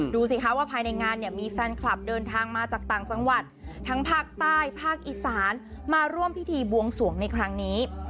ดูสิคะว่าภายในงานเนี่ยมีแฟนคลับเดินทางมาจากต่างจังหวัดทั้งภาคใต้ภาคอีสานมาร่วมพิธีบวงสวงในครั้งนี้